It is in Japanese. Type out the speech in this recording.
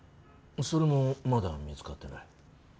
それもまだ見つかってない。